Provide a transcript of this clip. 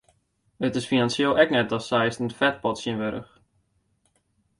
It is finansjeel ek net datst seist in fetpot tsjinwurdich.